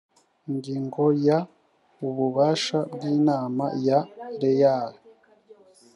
ingingo ya ububasha bw inama ya rlea